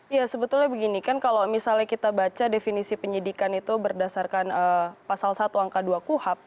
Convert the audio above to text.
ya sebetulnya begini kan kalau misalnya kita baca definisi penyidikan itu berdasarkan pasal satu angka dua kuhap